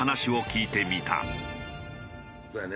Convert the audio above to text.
そうやね。